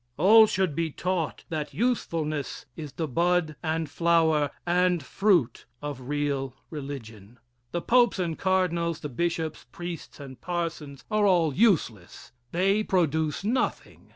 All should be taught that usefulness is the bud and flower and fruit of real religion. The popes and cardinals, the bishops, priests and parsons are all useless. They produce nothing.